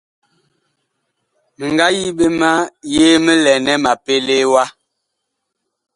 Mi nga yi ɓe ma yee mi lɛ nɛ ma pelee wa.